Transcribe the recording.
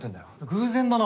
偶然だな。